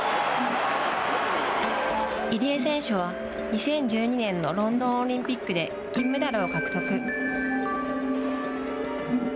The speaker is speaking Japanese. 入江選手は、２０１２年のロンドンオリンピックで銀メダルを獲得。